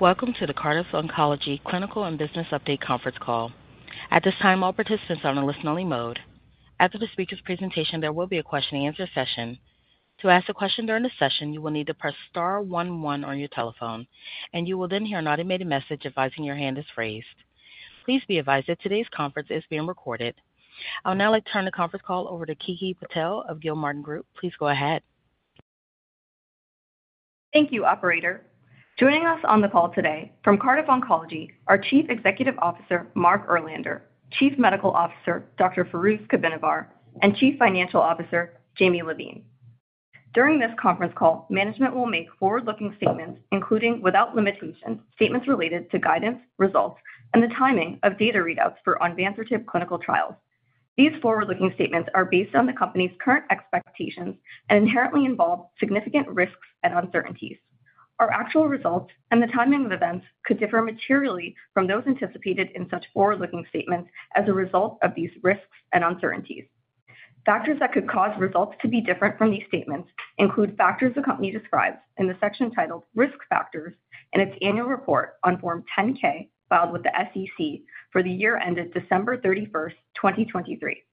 Welcome to the Cardiff Oncology Clinical and Business Update Conference Call. At this time, all participants are on a listen-only mode. After the speaker's presentation, there will be a question-and-answer session. To ask a question during the session, you will need to press star one one on your telephone, and you will then hear an automated message advising your hand is raised. Please be advised that today's conference is being recorded. I'll now turn the conference call over to Kiki Patel of Gilmartin Group. Please go ahead. Thank you, Operator. Joining us on the call today from Cardiff Oncology are Chief Executive Officer Mark Erlander; Chief Medical Officer, Dr. Fairooz Kabbinavar; and Chief Financial Officer, Jamie Levine. During this conference call, management will make forward-looking statements, including without limitations, statements related to guidance, results, and the timing of data readouts for onvansertib clinical trials. These forward-looking statements are based on the company's current expectations and inherently involve significant risks and uncertainties. Our actual results and the timing of events could differ materially from those anticipated in such forward-looking statements as a result of these risks and uncertainties. Factors that could cause results to be different from these statements include factors the company describes in the section titled Risk Factors in its annual report on Form 10-K filed with the SEC for the year ended December 31st, 2023.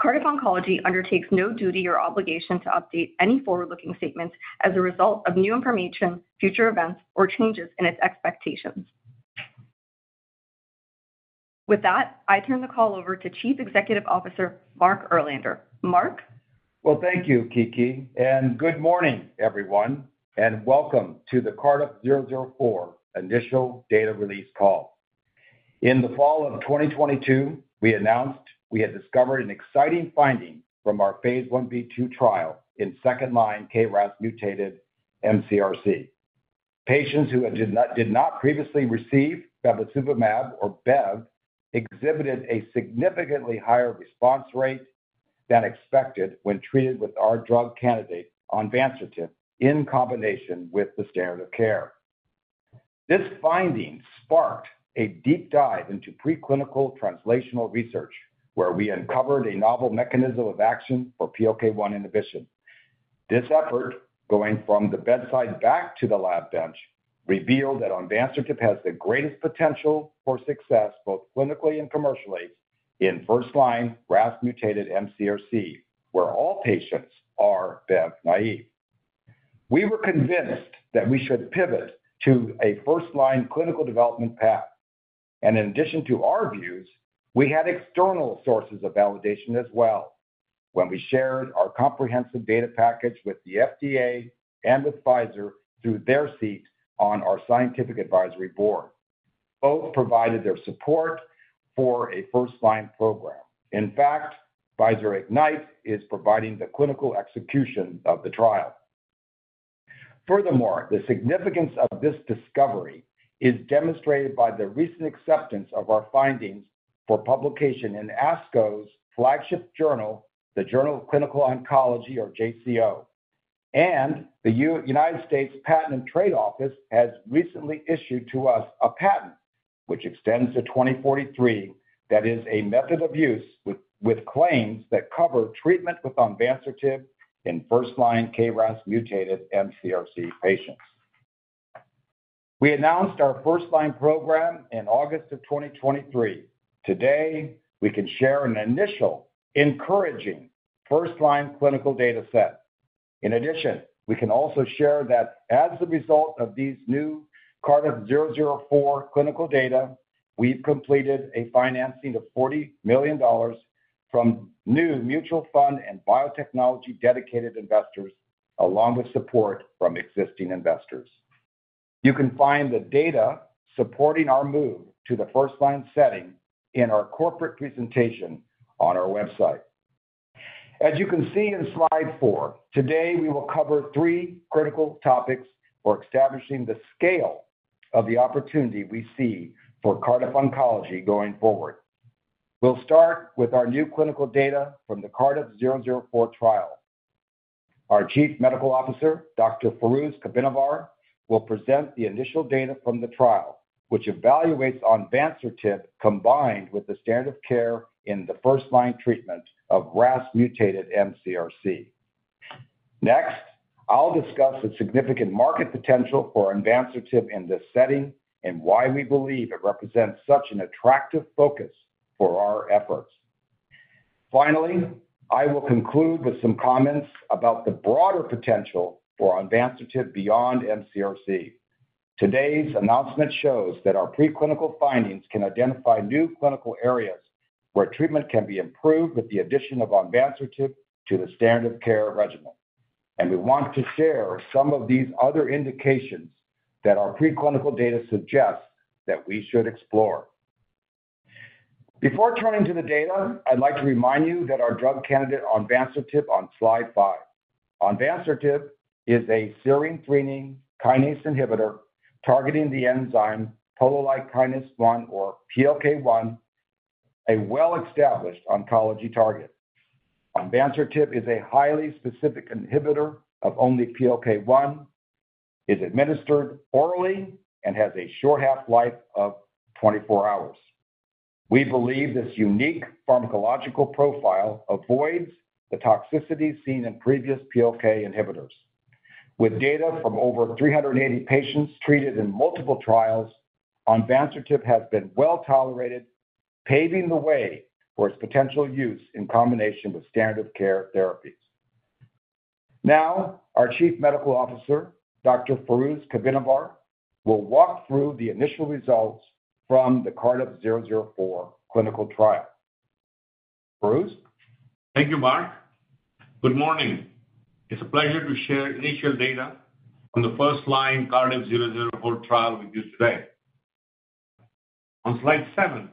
Cardiff Oncology undertakes no duty or obligation to update any forward-looking statements as a result of new information, future events, or changes in its expectations. With that, I turn the call over to Chief Executive Officer Mark Erlander. Mark. Thank you, Kiki, and good morning, everyone, and welcome to the Cardiff 004 initial data release call. In the fall of 2022, we announced we had discovered an exciting finding from our phase I-B/2 trial in second-line KRAS mutated mCRC. Patients who did not previously receive bevacizumab or Bev exhibited a significantly higher response rate than expected when treated with our drug candidate, onvansertib in combination with the standard of care. This finding sparked a deep dive into preclinical translational research, where we uncovered a novel mechanism of action for PLK1 inhibition. This effort, going from the bedside back to the lab bench, revealed that onvansertib has the greatest potential for success both clinically and commercially in first-line RAS mutated mCRC, where all patients are Bev naive. We were convinced that we should pivot to a first-line clinical development path, and in addition to our views, we had external sources of validation as well when we shared our comprehensive data package with the FDA and with Pfizer through their seat on our scientific advisory board. Both provided their support for a first-line program. In fact, Pfizer Ignite is providing the clinical execution of the trial. Furthermore, the significance of this discovery is demonstrated by the recent acceptance of our findings for publication in ASCO's flagship journal, the Journal of Clinical Oncology, or JCO, and the United States Patent and Trademark Office has recently issued to us a patent which extends to 2043. That is a method of use with claims that cover treatment with onvansertib in first-line KRAS mutated mCRC patients. We announced our first-line program in August of 2023. Today, we can share an initial encouraging first-line clinical data set. In addition, we can also share that as a result of these new Cardiff 004 clinical data, we've completed a financing of $40 million from new mutual fund and biotechnology dedicated investors, along with support from existing investors. You can find the data supporting our move to the first-line setting in our corporate presentation on our website. As you can see in slide four, today we will cover three critical topics for establishing the scale of the opportunity we see for Cardiff Oncology going forward. We'll start with our new clinical data from the Cardiff 004 trial. Our Chief Medical Officer, Dr. Fairooz Kabbinavar, will present the initial data from the trial, which evaluates onvansertib combined with the standard of care in the first-line treatment of RAS mutated mCRC. Next, I'll discuss the significant market potential for onvansertib in this setting and why we believe it represents such an attractive focus for our efforts. Finally, I will conclude with some comments about the broader potential for onvansertib beyond mCRC. Today's announcement shows that our preclinical findings can identify new clinical areas where treatment can be improved with the addition of onvansertib to the standard of care regimen, and we want to share some of these other indications that our preclinical data suggests that we should explore. Before turning to the data, I'd like to remind you that our drug candidate, onvansertib, on slide five. Onvansertib is a serine/threonine kinase inhibitor targeting the enzyme polo-like kinase 1 or PLK1, a well-established oncology target. Onvansertib is a highly specific inhibitor of only PLK1, is administered orally, and has a short half-life of 24 hours. We believe this unique pharmacological profile avoids the toxicity seen in previous PLK inhibitors. With data from over 380 patients treated in multiple trials, onvansertib has been well tolerated, paving the way for its potential use in combination with standard of care therapies. Now, our Chief Medical Officer, Dr. Fairooz Kabbinavar, will walk through the initial results from the Cardiff 004 clinical trial. Fairooz? Thank you, Mark. Good morning. It's a pleasure to share initial data on the first-line Cardiff 004 trial with you today. On slide seven,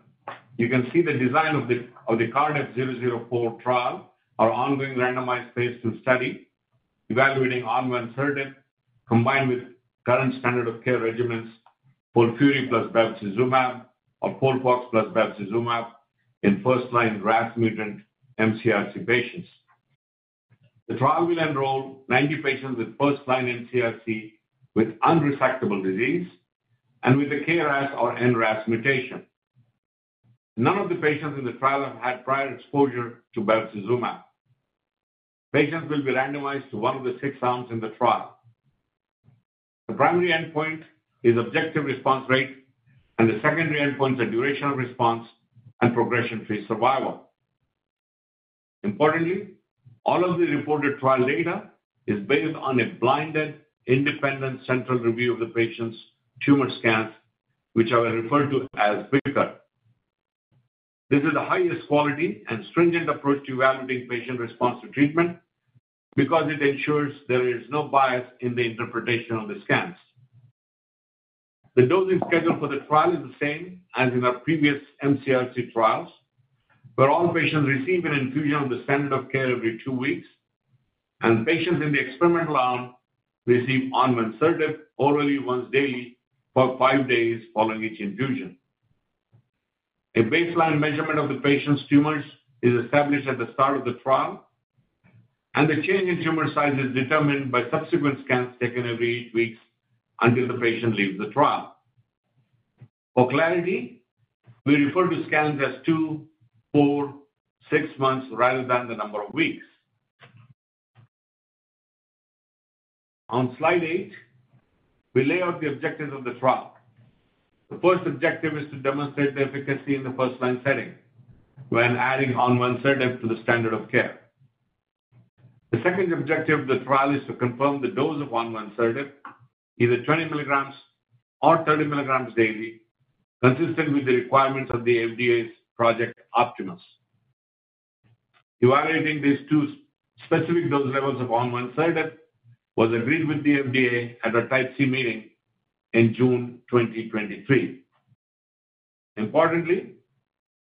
you can see the design of the Cardiff 004 trial, our ongoing randomized phase II study evaluating onvansertib combined with current standard of care regimens, FOLFIRI plus Bev, or FOLFOX plus Bev in first-line RAS mutant mCRC patients. The trial will enroll 90 patients with first-line mCRC with unresectable disease and with a KRAS or NRAS mutation. None of the patients in the trial have had prior exposure to Bev. Patients will be randomized to one of the six arms in the trial. The primary endpoint is objective response rate, and the secondary endpoints are duration of response and progression-free survival. Importantly, all of the reported trial data is based on a blinded independent central review of the patient's tumor scans, which I will refer to as BICR. This is the highest quality and stringent approach to evaluating patient response to treatment because it ensures there is no bias in the interpretation of the scans. The dosing schedule for the trial is the same as in our previous mCRC trials, where all patients receive an infusion of the standard of care every two weeks, and patients in the experimental arm receive onvansertib orally once daily for five days following each infusion. A baseline measurement of the patient's tumors is established at the start of the trial, and the change in tumor size is determined by subsequent scans taken every eight weeks until the patient leaves the trial. For clarity, we refer to scans as two, four, six months rather than the number of weeks. On slide eight, we lay out the objectives of the trial. The first objective is to demonstrate the efficacy in the first-line setting when adding onvansertib to the standard of care. The second objective of the trial is to confirm the dose of onvansertib, either 20 milligrams or 30 milligrams daily, consistent with the requirements of the FDA's Project Optimus. Evaluating these two specific dose levels of onvansertib was agreed with the FDA at a Type C meeting in June 2023. Importantly,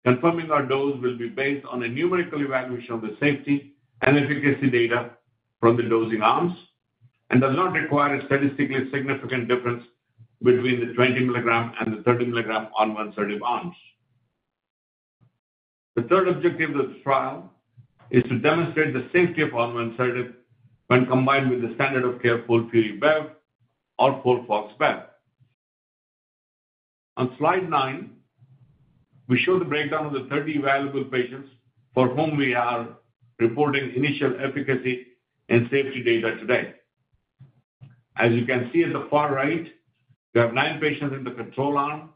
confirming our dose will be based on a numerical evaluation of the safety and efficacy data from the dosing arms and does not require a statistically significant difference between the 20 milligram and the 30 milligram onvansertib arms. The third objective of the trial is to demonstrate the safety of onvansertib when combined with the standard of care FOLFIRI Bev or FOLFOX Bev. On slide nine, we show the breakdown of the 30 available patients for whom we are reporting initial efficacy and safety data today. As you can see at the far right, we have nine patients in the control arm,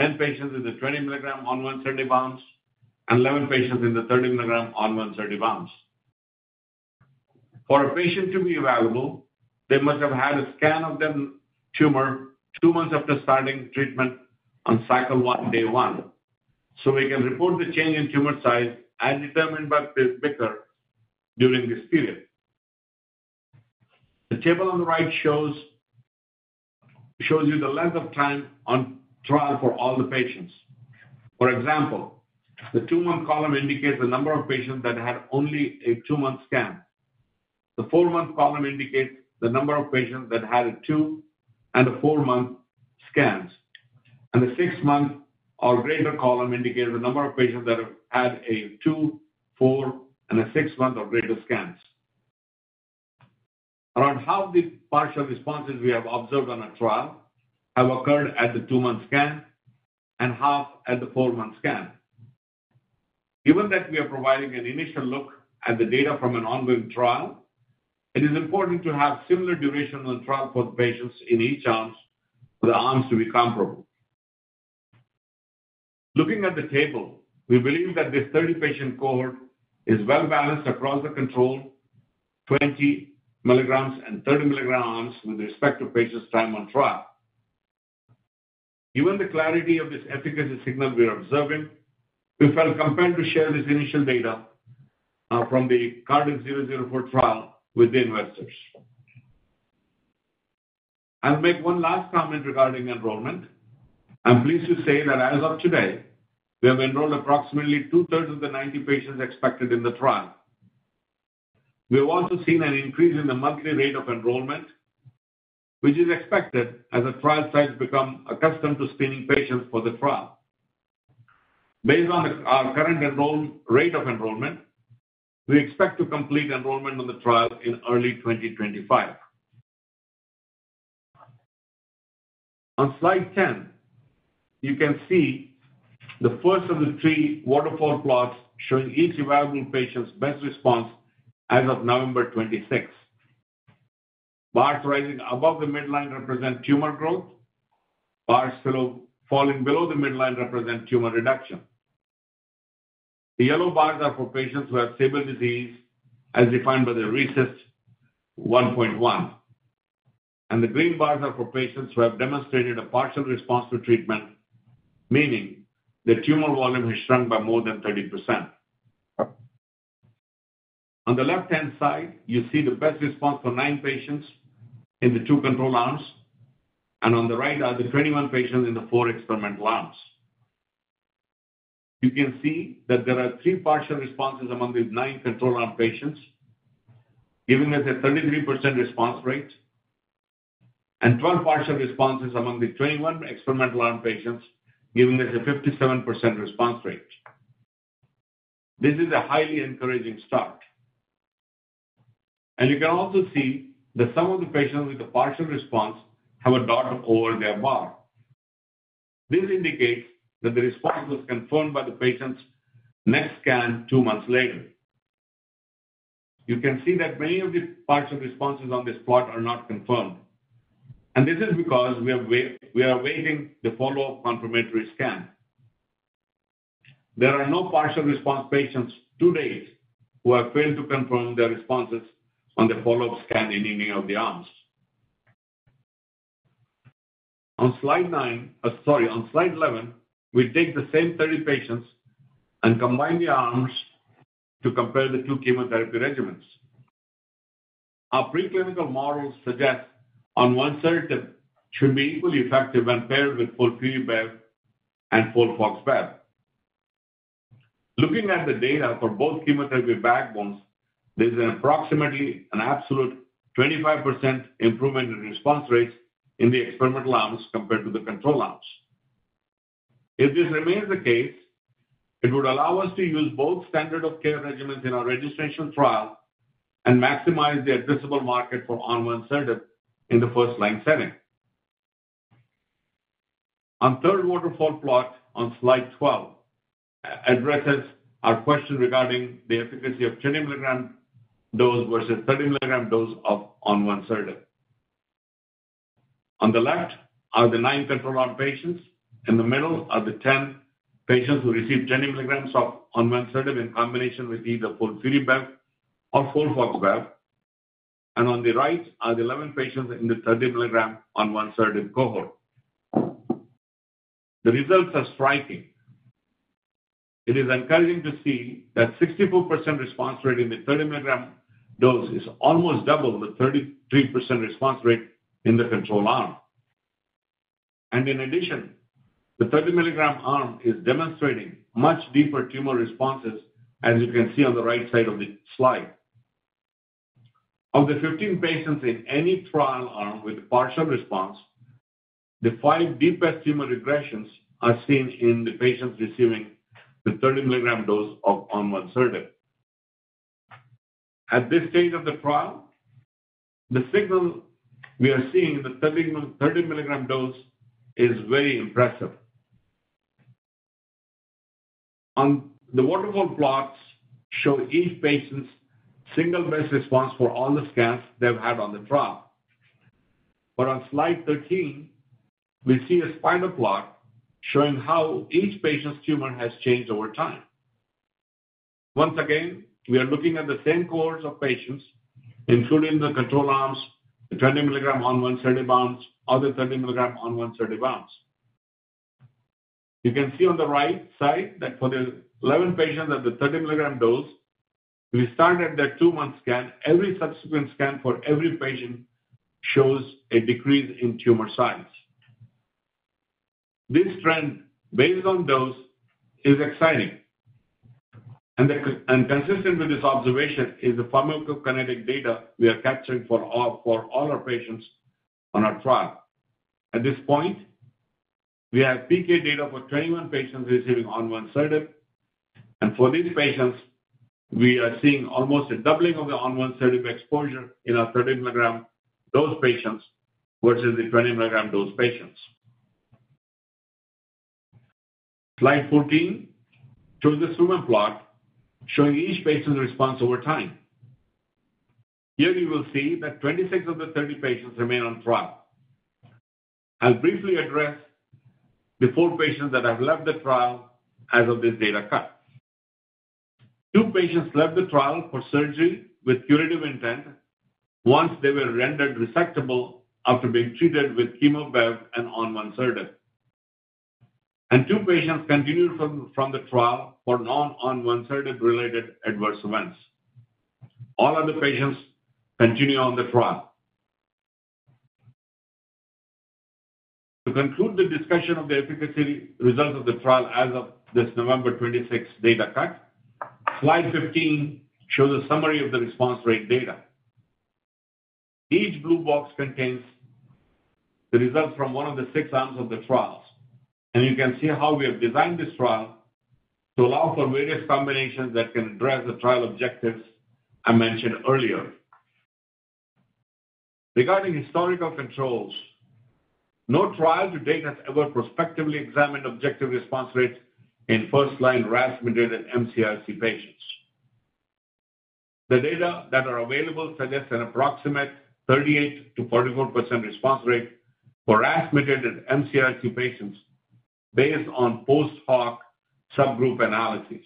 10 patients in the 20 milligram onvansertib arms, and 11 patients in the 30 milligram onvansertib arms. For a patient to be available, they must have had a scan of the tumor two months after starting treatment on cycle one, day one, so we can report the change in tumor size as determined by BICR during this period. The table on the right shows you the length of time on trial for all the patients. For example, the two-month column indicates the number of patients that had only a two-month scan. The four-month column indicates the number of patients that had two and four-month scans, and the six-month or greater column indicates the number of patients that have had two, four, and six-month or greater scans. Around half the partial responses we have observed on a trial have occurred at the two-month scan and half at the four-month scan. Given that we are providing an initial look at the data from an ongoing trial, it is important to have similar duration on the trial for the patients in each arms for the arms to be comparable. Looking at the table, we believe that this 30-patient cohort is well balanced across the control 20 milligrams and 30 milligram arms with respect to patients' time on trial. Given the clarity of this efficacy signal we are observing, we felt compelled to share this initial data from the Cardiff 004 trial with the investors. I'll make one last comment regarding enrollment. I'm pleased to say that as of today, we have enrolled approximately two-thirds of the 90 patients expected in the trial. We have also seen an increase in the monthly rate of enrollment, which is expected as a trial site becomes accustomed to screening patients for the trial. Based on our current rate of enrollment, we expect to complete enrollment on the trial in early 2025. On slide 10, you can see the first of the three waterfall plots showing each available patient's best response as of November 26. Bars rising above the midline represent tumor growth. Bars falling below the midline represent tumor reduction. The yellow bars are for patients who have stable disease as defined by the RECIST 1.1, and the green bars are for patients who have demonstrated a partial response to treatment, meaning the tumor volume has shrunk by more than 30%. On the left-hand side, you see the best response for nine patients in the two control arms, and on the right are the 21 patients in the four experimental arms. You can see that there are three partial responses among these nine control arm patients, giving us a 33% response rate, and 12 partial responses among the 21 experimental arm patients, giving us a 57% response rate. This is a highly encouraging start, and you can also see that some of the patients with the partial response have a dot over their bar. This indicates that the response was confirmed by the patient's next scan two months later. You can see that many of the partial responses on this plot are not confirmed, and this is because we are awaiting the follow-up confirmatory scan. There are no partial response patients to date who have failed to confirm their responses on the follow-up scan in any of the arms. On Slide 11, we take the same 30 patients and combine the arms to compare the two chemotherapy regimens. Our preclinical model suggests onvansertib should be equally effective when paired with FOLFIRI Bev and FOLFOX Bev. Looking at the data for both chemotherapy backbones, there's approximately an absolute 25% improvement in response rates in the experimental arms compared to the control arms. If this remains the case, it would allow us to use both standard of care regimens in our registration trial and maximize the addressable market for onvansertib in the first-line setting. The third waterfall plot on slide 12 addresses our question regarding the efficacy of the 20 milligram dose versus the 30 milligram dose of onvansertib. On the left are the nine control arm patients, and in the middle are the 10 patients who received 20 milligrams of onvansertib in combination with either FOLFIRI Bev or FOLFOX Bev, and on the right are the 11 patients in the 30 milligram onvansertib cohort. The results are striking. It is encouraging to see that 64% response rate in the 30 milligram dose is almost double the 33% response rate in the control arm, and in addition, the 30 milligram arm is demonstrating much deeper tumor responses, as you can see on the right side of the slide. Of the 15 patients in any trial arm with partial response, the five deepest tumor regressions are seen in the patients receiving the 30 milligram dose of onvansertib. At this stage of the trial, the signal we are seeing in the 30 milligram dose is very impressive. The waterfall plots show each patient's single best response for all the scans they've had on the trial. But on slide 13, we see a spider plot showing how each patient's tumor has changed over time. Once again, we are looking at the same cohorts of patients, including the control arms, the 20 milligram onvansertib arms, other 30 milligram onvansertib arms. You can see on the right side that for the 11 patients at the 30 milligram dose, we started their two-month scan. Every subsequent scan for every patient shows a decrease in tumor size. This trend based on dose is exciting, and consistent with this observation is the pharmacokinetic data we are capturing for all our patients on our trial. At this point, we have PK data for 21 patients receiving onvansertib, and for these patients, we are seeing almost a doubling of the onvansertib exposure in our 30 milligram dose patients versus the 20 milligram dose patients. Slide 14 shows the summary plot showing each patient's response over time. Here you will see that 26 of the 30 patients remain on trial. I'll briefly address the four patients that have left the trial as of this data cut. Two patients left the trial for surgery with curative intent once they were rendered resectable after being treated with chemo Bev and onvansertib, and two patients continued from the trial for non-onvansertib related adverse events. All other patients continue on the trial. To conclude the discussion of the efficacy results of the trial as of this November 26 data cut, slide 15 shows a summary of the response rate data. Each blue box contains the results from one of the six arms of the trials, and you can see how we have designed this trial to allow for various combinations that can address the trial objectives I mentioned earlier. Regarding historical controls, no trial to date has ever prospectively examined objective response rates in first-line RAS-mutated mCRC patients. The data that are available suggests an approximate 38%-44% response rate for RAS-mutated mCRC patients based on post-hoc subgroup analyses.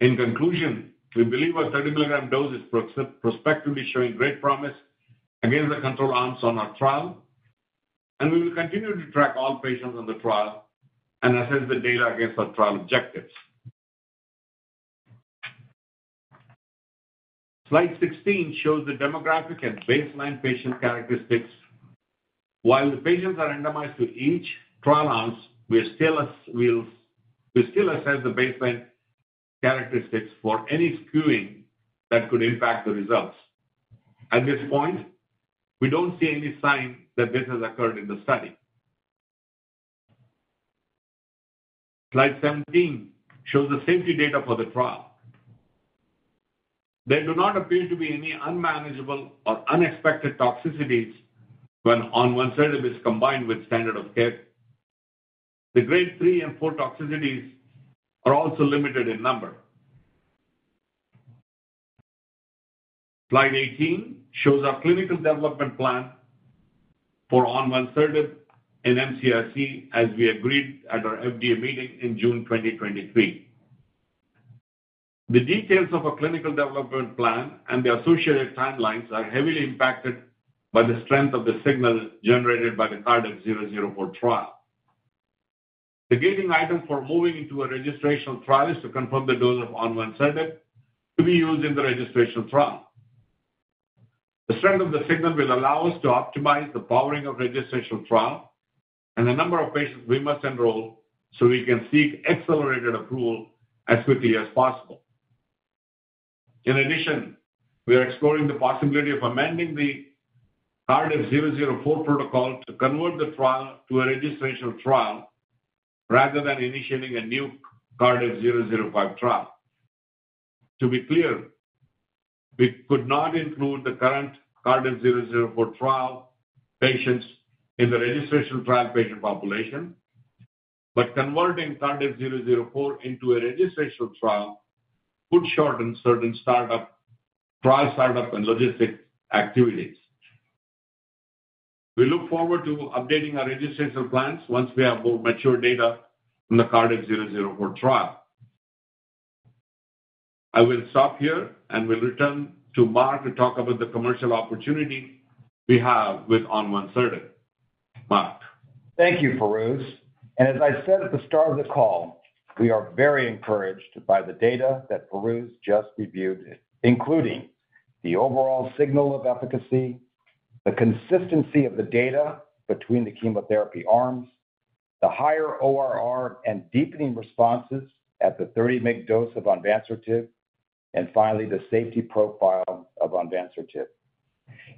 In conclusion, we believe our 30 milligram dose is prospectively showing great promise against the control arms on our trial, and we will continue to track all patients on the trial and assess the data against our trial objectives. Slide 16 shows the demographic and baseline patient characteristics. While the patients are randomized to each trial arms, we still assess the baseline characteristics for any skewing that could impact the results. At this point, we don't see any sign that this has occurred in the study. Slide 17 shows the safety data for the trial. There do not appear to be any unmanageable or unexpected toxicities when onvansertib is combined with standard of care. The grade three and four toxicities are also limited in number. Slide 18 shows our clinical development plan for onvansertib in mCRC as we agreed at our FDA meeting in June 2023. The details of our clinical development plan and the associated timelines are heavily impacted by the strength of the signal generated by the Cardiff 004 trial. The gating item for moving into a registration trial is to confirm the dose of onvansertib to be used in the registration trial. The strength of the signal will allow us to optimize the powering of registration trial and the number of patients we must enroll so we can seek accelerated approval as quickly as possible. In addition, we are exploring the possibility of amending the Cardiff 004 protocol to convert the trial to a registration trial rather than initiating a new Cardiff 005 trial. To be clear, we could not include the current Cardiff 004 trial patients in the registration trial patient population, but converting Cardiff 004 into a registration trial would shorten certain trial startup and logistic activities. We look forward to updating our registration plans once we have more mature data on the Cardiff 004 trial. I will stop here and will return to Mark to talk about the commercial opportunity we have with onvansertib. Mark? Thank you, Fairooz. As I said at the start of the call, we are very encouraged by the data that Fairooz just reviewed, including the overall signal of efficacy, the consistency of the data between the chemotherapy arms, the higher ORR and deepening responses at the 30-mg dose of onvansertib, and finally, the safety profile of onvansertib.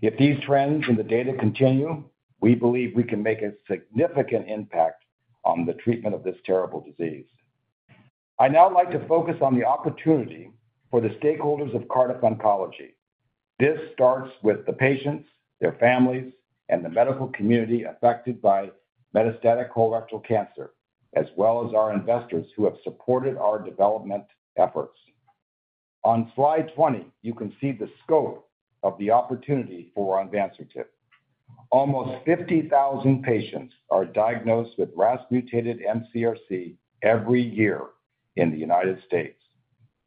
If these trends in the data continue, we believe we can make a significant impact on the treatment of this terrible disease. I'd now like to focus on the opportunity for the stakeholders of Cardiff Oncology. This starts with the patients, their families, and the medical community affected by metastatic colorectal cancer, as well as our investors who have supported our development efforts. On slide 20, you can see the scope of the opportunity for onvansertib. Almost 50,000 patients are diagnosed with RAS-mutated mCRC every year in the United States,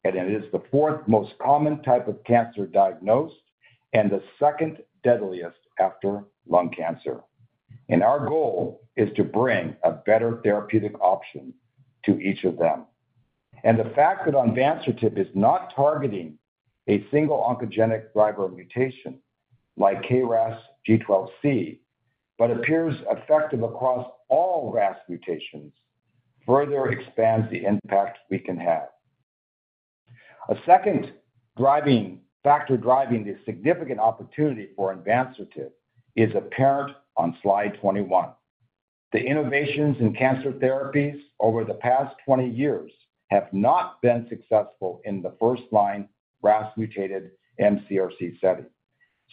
and it is the fourth most common type of cancer diagnosed and the second deadliest after lung cancer, and our goal is to bring a better therapeutic option to each of them, and the fact that onvansertib is not targeting a single oncogenic driver mutation like KRAS G12C, but appears effective across all RAS mutations, further expands the impact we can have. A second factor driving the significant opportunity for onvansertib is apparent on slide 21. The innovations in cancer therapies over the past 20 years have not been successful in the first-line RAS-mutated mCRC setting.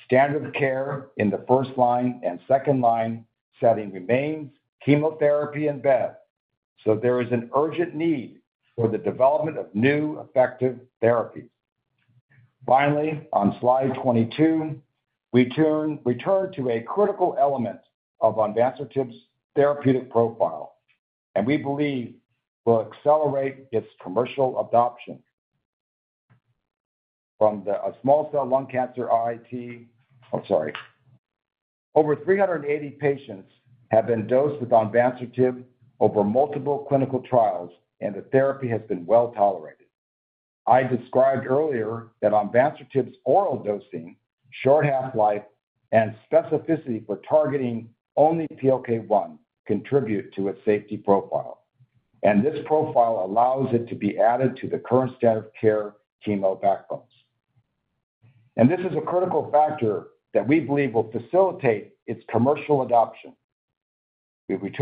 Standard care in the first-line and second-line setting remains chemotherapy and bev, so there is an urgent need for the development of new effective therapies. Finally, on slide 22, we turn to a critical element of onvansertib therapeutic profile, and we believe we'll accelerate its commercial adoption. From the small cell lung cancer IT, I'm sorry, over 380 patients have been dosed with onvansertib over multiple clinical trials, and the therapy has been well tolerated. I described earlier that onvansertib oral dosing, short half-life, and specificity for targeting only PLK1 contribute to its safety profile, and this profile allows it to be added to the current standard of care chemo backbones. And this is a critical factor that we believe will facilitate its commercial adoption. We've heard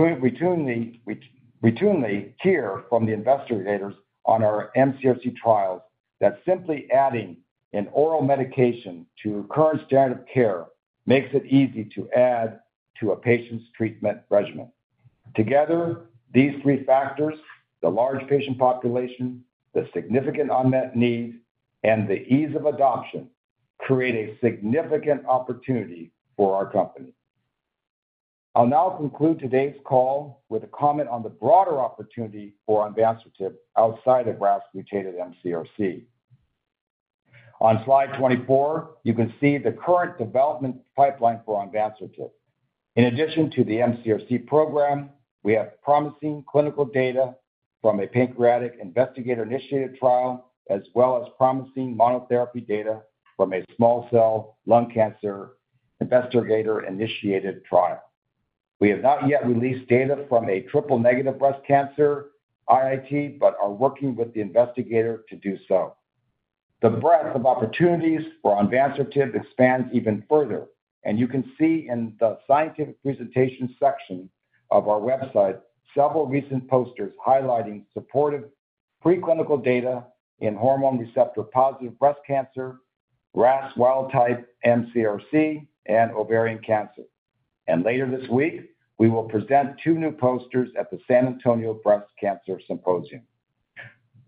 from the investigators on our mCRC trials that simply adding an oral medication to current standard of care makes it easy to add to a patient's treatment regimen. Together, these three factors, the large patient population, the significant unmet need, and the ease of adoption create a significant opportunity for our company. I'll now conclude today's call with a comment on the broader opportunity for onvansertib outside of RAS-mutated mCRC. On slide 24, you can see the current development pipeline for onvansertib. In addition to the mCRC program, we have promising clinical data from a pancreatic investigator-initiated trial, as well as promising monotherapy data from a small cell lung cancer investigator-initiated trial. We have not yet released data from a triple negative breast cancer IIT, but are working with the investigator to do so. The breadth of opportunities for onvansertib expands even further, and you can see in the scientific presentation section of our website several recent posters highlighting supportive preclinical data in hormone receptor positive breast cancer, RAS wild type mCRC, and ovarian cancer. Later this week, we will present two new posters at the San Antonio Breast Cancer Symposium.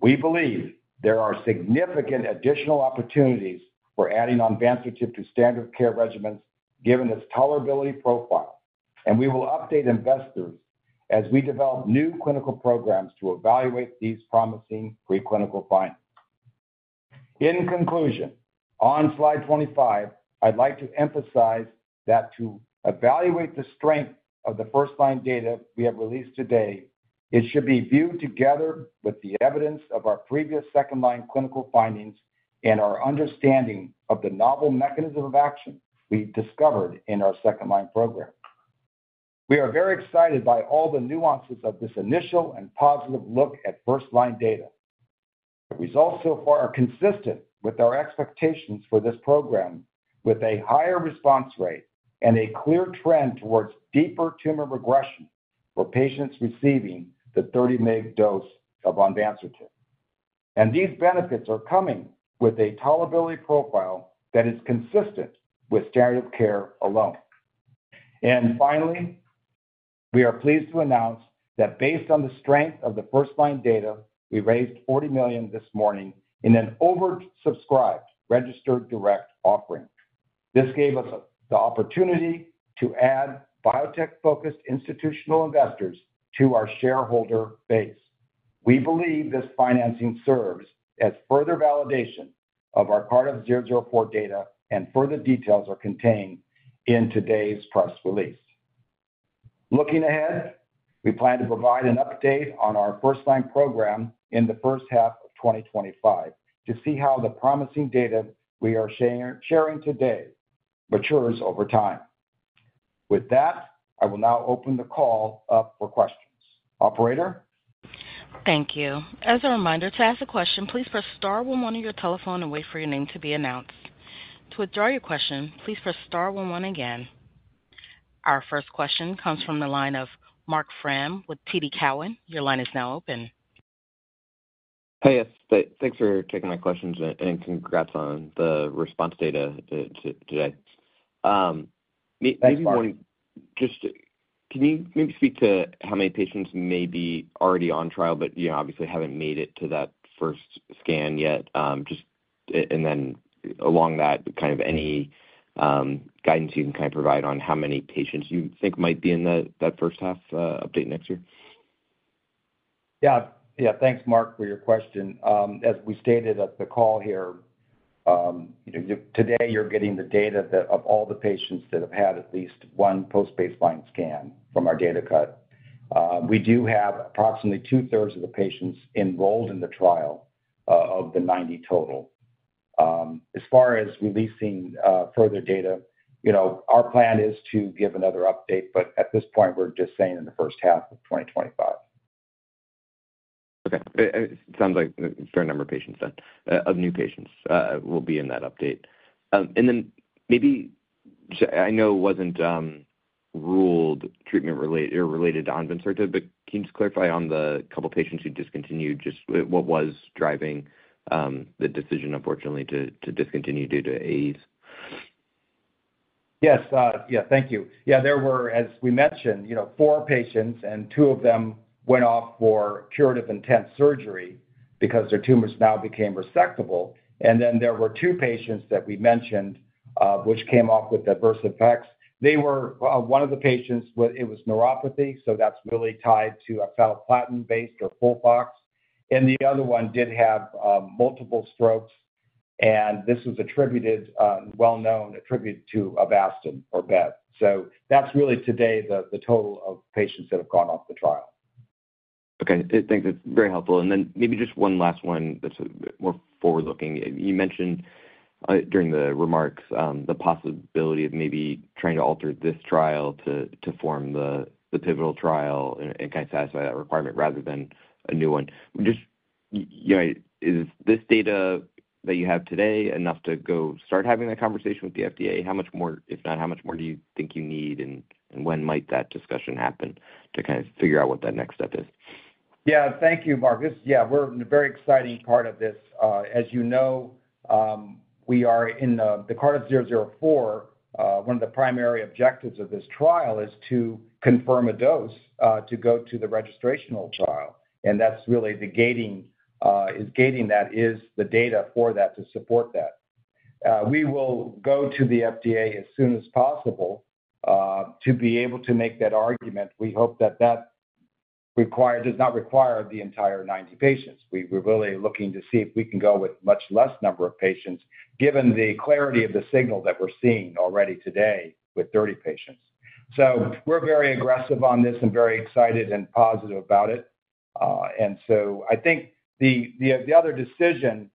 We believe there are significant additional opportunities for adding onvansertib to standard of care regimens given its tolerability profile, and we will update investors as we develop new clinical programs to evaluate these promising preclinical findings. In conclusion, on slide 25, I'd like to emphasize that to evaluate the strength of the first-line data we have released today, it should be viewed together with the evidence of our previous second-line clinical findings and our understanding of the novel mechanism of action we discovered in our second-line program. We are very excited by all the nuances of this initial and positive look at first-line data. The results so far are consistent with our expectations for this program, with a higher response rate and a clear trend towards deeper tumor regression for patients receiving the 30-mg dose of onvansertib. And these benefits are coming with a tolerability profile that is consistent with standard of care alone. And finally, we are pleased to announce that based on the strength of the first-line data, we raised $40 million this morning in an oversubscribed registered direct offering. This gave us the opportunity to add biotech-focused institutional investors to our shareholder base. We believe this financing serves as further validation of our CRDF-004 data, and further details are contained in today's press release. Looking ahead, we plan to provide an update on our first-line program in the first half of 2025 to see how the promising data we are sharing today matures over time. With that, I will now open the call up for questions. Operator? Thank you. As a reminder, to ask a question, please press star one one on your telephone and wait for your name to be announced. To withdraw your question, please press star one one again. Our first question comes from the line of Marc Frahm with TD Cowen. Your line is now open. Hi. Thanks for taking my questions and congrats on the response data today. Maybe just can you maybe speak to how many patients may be already on trial, but obviously haven't made it to that first scan yet? And then along that, kind of any guidance you can kind of provide on how many patients you think might be in that first half update next year? Yeah. Yeah. Thanks, Marc, for your question. As we stated at the call here, today you're getting the data of all the patients that have had at least one post-baseline scan from our data cut. We do have approximately two-thirds of the patients enrolled in the trial of the 90 total. As far as releasing further data, our plan is to give another update, but at this point, we're just saying in the first half of 2025. Okay. It sounds like a fair number of patients then of new patients will be in that update. And then maybe I know it wasn't ruled treatment-related or related to onvansertib, but can you just clarify on the couple of patients who discontinued? Just what was driving the decision, unfortunately, to discontinue due to AEs? Yes. Yeah. Thank you. Yeah. There were, as we mentioned, four patients, and two of them went off for curative intent surgery because their tumors now became resectable. And then there were two patients that we mentioned which came off with adverse effects. They were one of the patients with it was neuropathy, so that's really tied to an oxaliplatin-based or FOLFOX. And the other one did have multiple strokes, and this was well-known attributed to Avastin or Bev. So that's really to date the total of patients that have gone off the trial. Okay. Thanks. That's very helpful. And then maybe just one last one that's more forward-looking. You mentioned during the remarks the possibility of maybe trying to alter this trial to form the pivotal trial and kind of satisfy that requirement rather than a new one. Is this data that you have today enough to go start having that conversation with the FDA? How much more, if not, how much more do you think you need, and when might that discussion happen to kind of figure out what that next step is? Yeah. Thank you, Marc. Yeah. We're in a very exciting part of this. As you know, we are in the Cardiff 004. One of the primary objectives of this trial is to confirm a dose to go to the registrational trial. And that's really the gating that is the data for that to support that. We will go to the FDA as soon as possible to be able to make that argument. We hope that that does not require the entire 90 patients. We're really looking to see if we can go with a much less number of patients given the clarity of the signal that we're seeing already today with 30 patients. We're very aggressive on this and very excited and positive about it. And so I think the other decision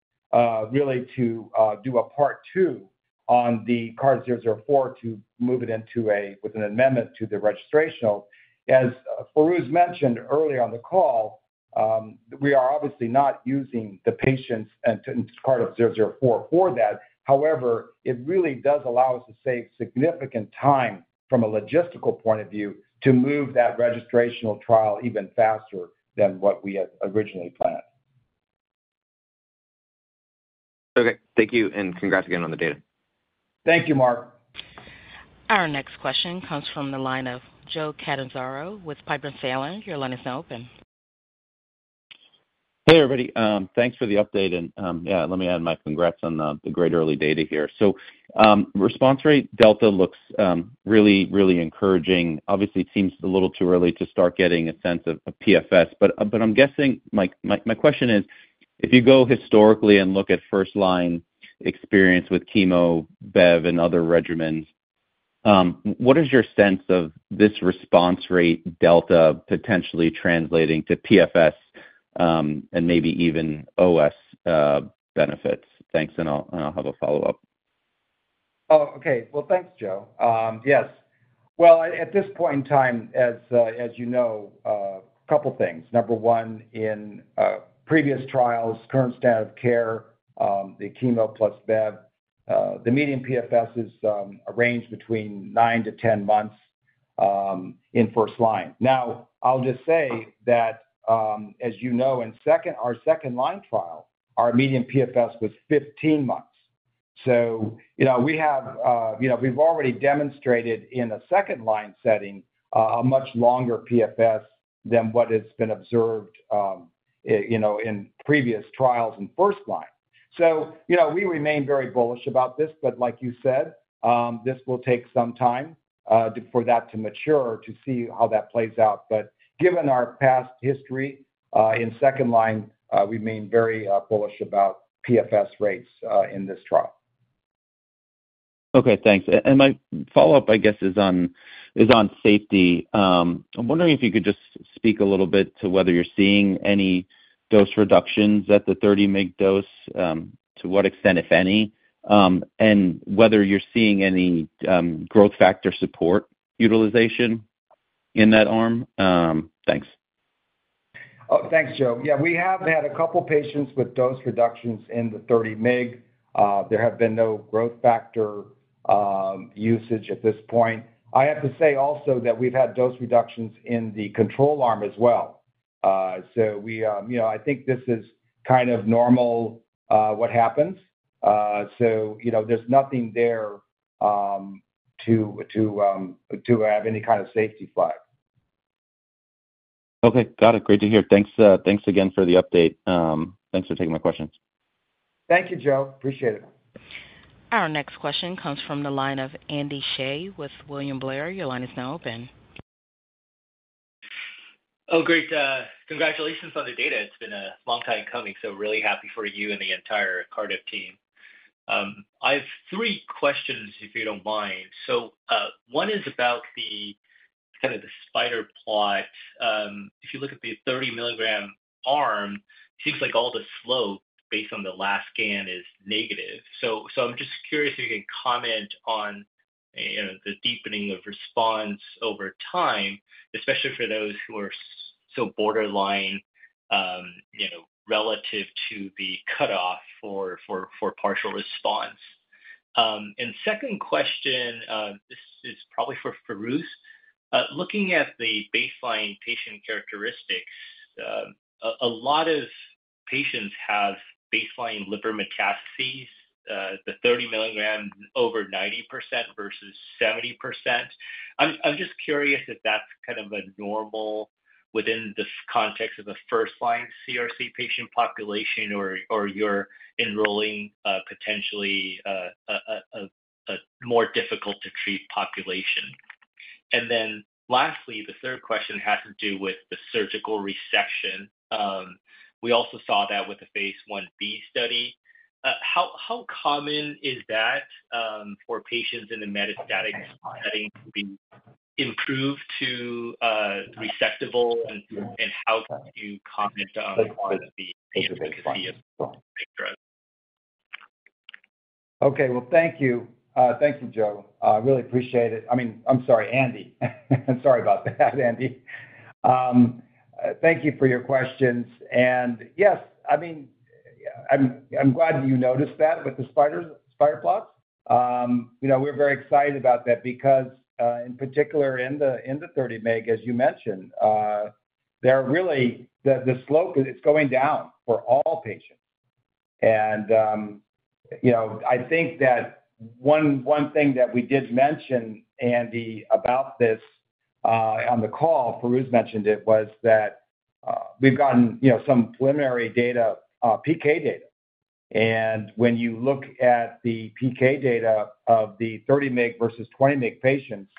really to do a Part 2 on the Cardiff 004 to move it into, with an amendment to the registrational, as Fairooz mentioned earlier on the call. We are obviously not using the patients in Cardiff 004 for that. However, it really does allow us to save significant time from a logistical point of view to move that registrational trial even faster than what we had originally planned. Okay. Thank you. And congrats again on the data. Thank you, Marc. Our next question comes from the line of Joe Catanzaro with Piper Sandler. Your line is now open. Hey, everybody. Thanks for the update. And yeah, let me add my congrats on the great early data here. So response rate delta looks really, really encouraging. Obviously, it seems a little too early to start getting a sense of PFS. But I'm guessing my question is, if you go historically and look at first-line experience with chemo, Bev, and other regimens, what is your sense of this response rate delta potentially translating to PFS and maybe even OS benefits? Thanks. And I'll have a follow-up. Oh, okay. Well, thanks, Joe. Yes. Well, at this point in time, as you know, a couple of things. Number one, in previous trials, current standard of care, the chemo plus Bev, the median PFS is a range between nine to 10 months in first-line. Now, I'll just say that, as you know, in our second-line trial, our median PFS was 15 months. So we've already demonstrated in a second-line setting a much longer PFS than what has been observed in previous trials in first-line. So we remain very bullish about this. But like you said, this will take some time for that to mature to see how that plays out. But given our past history in second-line, we remain very bullish about PFS rates in this trial. Okay. Thanks. And my follow-up, I guess, is on safety. I'm wondering if you could just speak a little bit to whether you're seeing any dose reductions at the 30-mg dose, to what extent, if any, and whether you're seeing any growth factor support utilization in that arm. Thanks. Oh, thanks, Joe. Yeah. We have had a couple of patients with dose reductions in the 30-mg. There have been no growth factor usage at this point. I have to say also that we've had dose reductions in the control arm as well. So I think this is kind of normal what happens. So there's nothing there to have any kind of safety flag. Okay. Got it. Great to hear. Thanks again for the update. Thanks for taking my questions. Thank you, Joe. Appreciate it. Our next question comes from the line of Andy Hsieh with William Blair. Your line is now open. Oh, great. Congratulations on the data. It's been a long time coming. So really happy for you and the entire Cardiff team. I have three questions, if you don't mind. So one is about kind of the spider plot. If you look at the 30-milligram arm, it seems like all the slope based on the last scan is negative. So I'm just curious if you can comment on the deepening of response over time, especially for those who are so borderline relative to the cutoff for partial response. And second question, this is probably for Fairooz. Looking at the baseline patient characteristics, a lot of patients have baseline liver metastases, the 30 milligrams over 90% versus 70%. I'm just curious if that's kind of a normal within the context of a first-line CRC patient population or you're enrolling potentially a more difficult-to-treat population. And then lastly, the third question has to do with the surgical resection. We also saw that with the phase I-B study. How common is that for patients in the metastatic setting to be improved to resectable, and how could you comment on the patients that receive drugs? Okay. Well, thank you. Thank you, Joe. I really appreciate it. I mean, I'm sorry, Andy. I'm sorry about that, Andy. Thank you for your questions. And yes, I mean, I'm glad that you noticed that with the spider plots. We're very excited about that because, in particular, in the 30-mg, as you mentioned, there are really the slope, it's going down for all patients. And I think that one thing that we did mention, Andy, about this on the call, Fairooz mentioned it, was that we've gotten some preliminary data, PK data. And when you look at the PK data of the 30-mg versus 20-mg patients,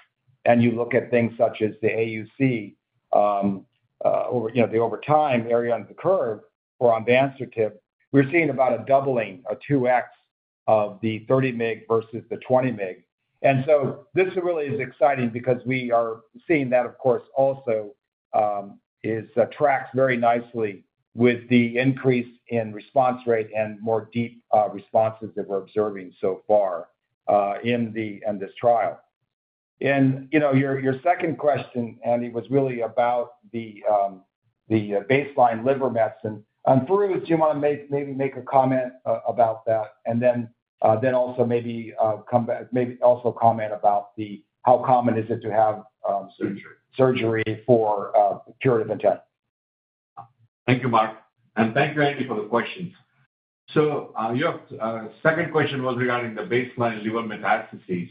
and you look at things such as the AUC, the area under the curve or onvansertib, we're seeing about a doubling, a 2x of the 30-mg versus the 20-mg. And so this really is exciting because we are seeing that, of course, also tracks very nicely with the increase in response rate and more deep responses that we're observing so far in this trial. And your second question, Andy, was really about the baseline liver metastases. Fairooz, do you want to maybe make a comment about that? And then also maybe come back, maybe also comment about how common is it to have surgery for curative intent. Thank you, Mark. And thank you, Andy, for the questions. Your second question was regarding the baseline liver metastases.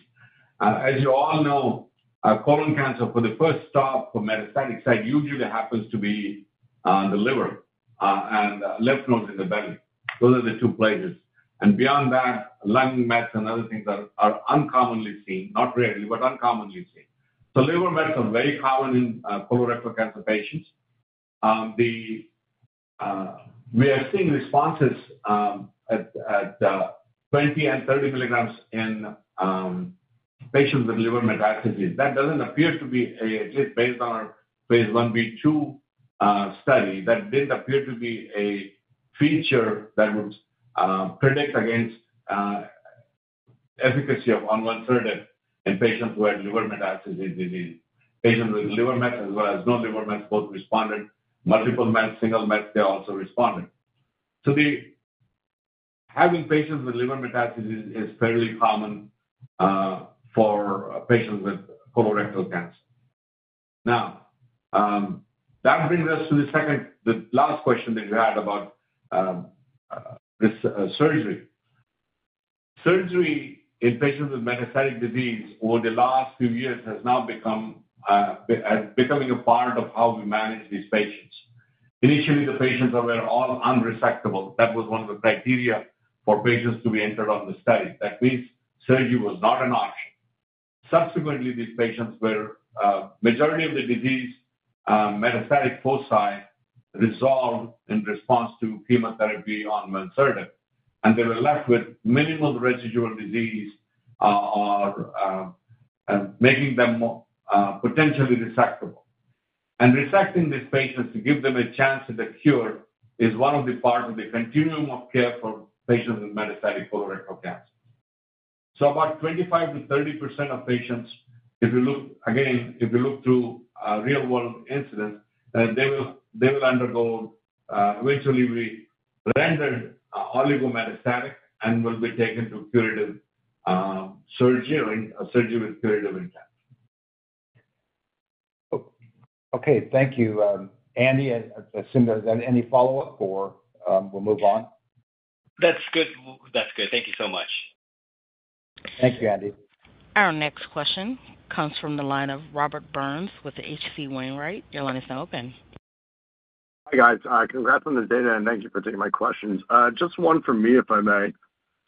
As you all know, colon cancer for the first stop for metastatic site usually happens to be in the liver and lymph nodes in the belly. Those are the two places. And beyond that, lung mets and other things are uncommonly seen, not rarely, but uncommonly seen. Liver mets are very common in colorectal cancer patients. We are seeing responses at 20 and 30 milligrams in patients with liver metastases. That doesn't appear to be, at least based on our phase I-B/2 study, a feature that would predict against efficacy of onvansertib in patients who had liver metastatic disease. Patients with liver mets as well as no liver mets both responded. Multiple mets, single mets, they also responded. So having patients with liver metastasis is fairly common for patients with colorectal cancer. Now, that brings us to the second, the last question that you had about surgery. Surgery in patients with metastatic disease over the last few years has now become a part of how we manage these patients. Initially, the patients were all unresectable. That was one of the criteria for patients to be entered on the study. That means surgery was not an option. Subsequently, these patients, the majority of the disease metastatic foci resolved in response to chemotherapy on onvansertib. And they were left with minimal residual disease or making them potentially resectable. And resecting these patients to give them a chance at a cure is one of the parts of the continuum of care for patients with metastatic colorectal cancer. So about 25%-30% of patients, if you look again, if you look through real-world incidence, they will undergo eventually rendered oligometastatic and will be taken to curative surgery or surgery with curative intent. Okay. Thank you, Andy. I assume there's any follow-up or we'll move on? That's good. That's good. Thank you so much. Thank you, Andy. Our next question comes from the line of Robert Burns with the H.C. Wainwright. Your line is now open. Hi guys. Congrats on the data. And thank you for taking my questions. Just one for me, if I may.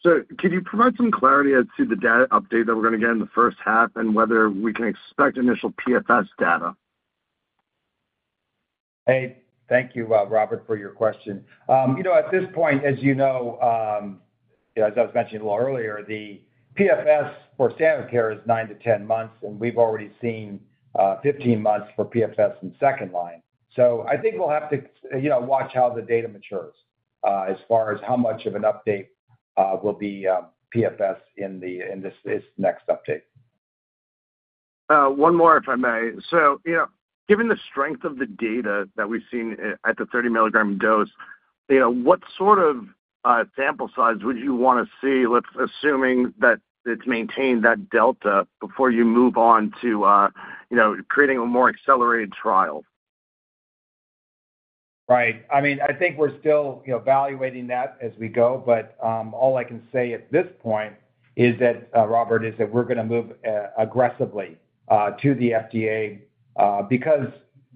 So could you provide some clarity as to the data update that we're going to get in the first half and whether we can expect initial PFS data? Hey, thank you, Robert, for your question. At this point, as you know, as I was mentioning a little earlier, the PFS for standard of care is 9-10 months, and we've already seen 15 months for PFS in second-line, so I think we'll have to watch how the data matures as far as how much of an update will be PFS in this next update. One more, if I may, so given the strength of the data that we've seen at the 30-milligram dose, what sort of sample size would you want to see, assuming that it's maintained that delta before you move on to creating a more accelerated trial? Right. I mean, I think we're still evaluating that as we go. But all I can say at this point is that, Robert, is that we're going to move aggressively to the FDA because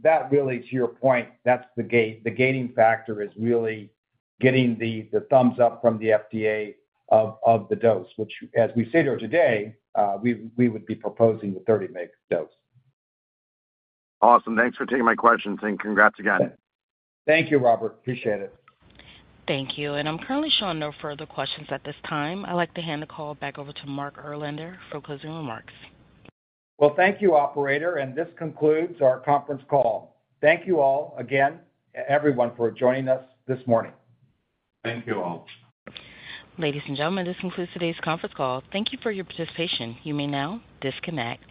that really, to your point, that's the gating factor is really getting the thumbs up from the FDA of the dose, which, as we say to her today, we would be proposing the 30-mg dose. Awesome. Thanks for taking my questions. And congrats again. Thank you, Robert. Appreciate it. Thank you. And I'm currently showing no further questions at this time. I'd like to hand the call back over to Mark Erlander for closing remarks. Well, thank you, operator. And this concludes our conference call. Thank you all again, everyone, for joining us this morning. Thank you all. Ladies and gentlemen, this concludes today's conference call. Thank you for your participation. You may now disconnect.